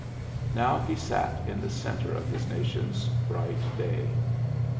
Now he sat in the centre of his nation's bright day.